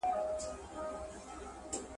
د جوړو کړل سوو جذبو څرګندونه